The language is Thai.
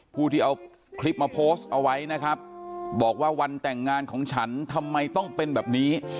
ผู้ที่เอาคลิปมาโพสต์เอาไว้นะครับบอกว่าวันแต่งงานของฉันทำไมต้องเป็นแบบนี้